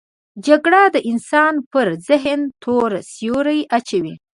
جګړه د انسان پر ذهن تور سیوری اچوي